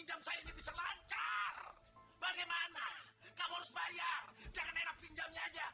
jangan enak pinjamnya aja